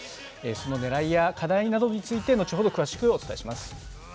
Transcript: そのねらいや課題などについて後ほど詳しくお伝えします。